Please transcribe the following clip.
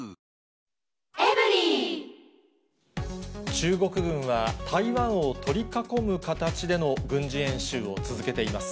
中国軍は台湾を取り囲む形での軍事演習を続けています。